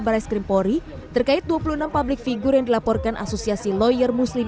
barrestrim polri terkait dua puluh enam publik figur yang dilaporkan asosiasi lawyer muslim